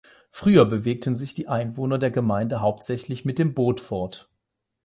Früher bewegten sich die Einwohner der Gemeinde hauptsächlich mit dem Boot fort.